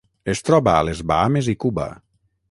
Es troba a les Bahames i Cuba.